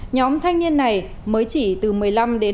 nhóm thanh niên đối tượng bị nhìn đều khi đang bốc đầu xe ngoài đường